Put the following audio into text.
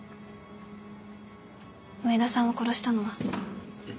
上田さんを殺したのは。